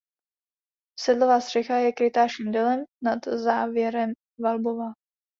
Sedlová střecha je krytá šindelem nad závěrem valbová.